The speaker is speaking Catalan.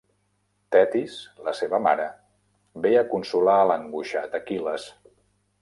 Thetis, la seva mare, ve a consolar a l'angoixat Aquil·les.